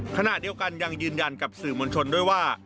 ขณะเดียวกันยังยืนยันกับสื่อมวลชนด้วยว่า